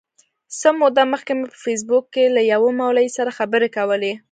څه موده مخکي مي په فېسبوک کي له یوه مولوي سره خبري کولې.